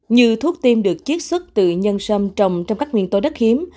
như thuốc tiêm được chiết xuất từ nhân sâm trồng trong các nguyên tố đất hiếm